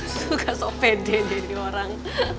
suka sopede jadi orang